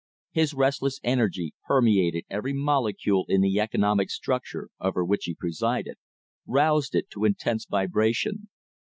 His restless energy permeated every molecule in the economic structure over which he presided, roused it to intense vibration.